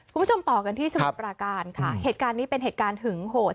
คุณผู้ชมต่อกันที่สมุทรปราการค่ะเหตุการณ์นี้เป็นเหตุการณ์หึงโหด